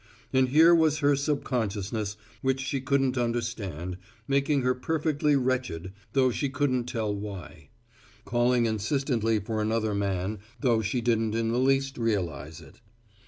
And here was her subconsciousness, which she couldn't understand, making her perfectly wretched, though she couldn't tell why; calling insistently for another man, though she didn't in the least realize it.